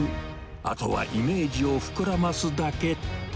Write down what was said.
あとはイメージを膨らますだけ。